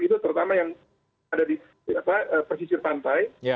itu terutama yang ada di pesisir pantai